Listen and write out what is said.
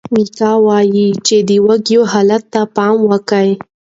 میکا وایي چې د وږیو حال ته پام کوي.